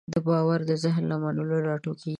باور د ذهن له منلو راټوکېږي.